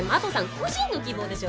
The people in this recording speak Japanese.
個人の希望でしょ。